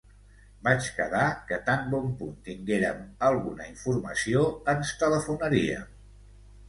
Vaig quedar que tan bon punt tinguérem alguna informació, ens telefonaríem.